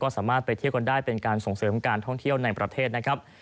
สามารถไปเที่ยวกันได้เป็นการส่งเสริมการท่องเที่ยวในประเทศนะครับ